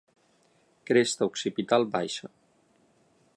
Cresta occipital baixa.